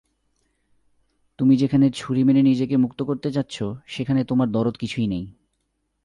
তুমি যেখানে ছুরি মেরে নিজেকে মুক্ত করতে চাচ্ছ সেখানে তোমার দরদ কিছুই নেই।